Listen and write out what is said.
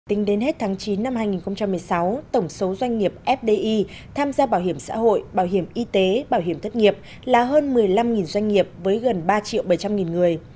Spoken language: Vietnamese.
tính đến hết tháng chín năm hai nghìn một mươi sáu tổng số doanh nghiệp fdi tham gia bảo hiểm xã hội bảo hiểm y tế bảo hiểm thất nghiệp là hơn một mươi năm doanh nghiệp với gần ba triệu bảy trăm linh người